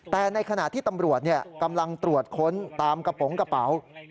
แต่ในขณะที่ตำรวจกำลังตรวจค้นตามกระโปรงกระเป๋า